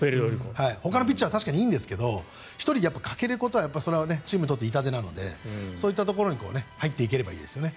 ほかのピッチャーは確かにいいんですが１人欠けることはそれはチームにとって痛手なのでそういうところに入っていけたらいいですね。